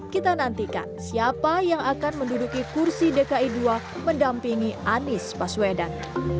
kita nantikan siapa yang akan menduduki kursi dki dua mendampingi anies baswedan